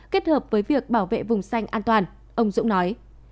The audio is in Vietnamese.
kết hợp với việc bảo vệ vùng xanh an toàn ông dũng nói